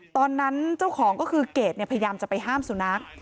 ตอนนั้นเจ้าของก็คือเกรดพยายามจะไปห้ามสุนัข